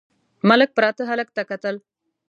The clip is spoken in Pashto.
ملک پراته هلک ته کتل….